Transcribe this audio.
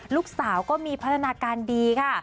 ลูกสาวก็มีพัฒนาการดีค่ะ